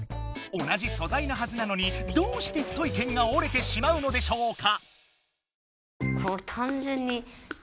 同じそざいなはずなのにどうして太い剣が折れてしまうのでしょうか？